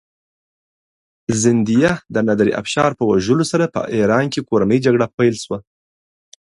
زندیه د نادرافشار په وژلو سره په ایران کې کورنۍ جګړه پیل شوه.